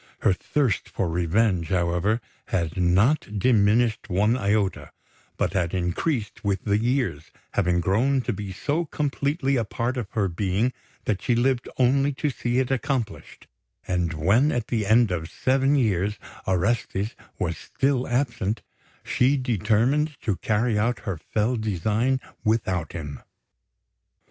Her thirst for revenge, however, had not diminished one iota, but had increased with the years, having grown to be so completely a part of her being that she lived only to see it accomplished; and when, at the end of seven years, Orestes was still absent, she determined to carry out her fell design without him.